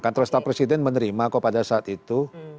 kan terlalu serta presiden menerima kok pada saat itu